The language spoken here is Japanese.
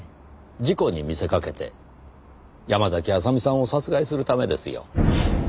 事故に見せかけて山嵜麻美さんを殺害するためですよ。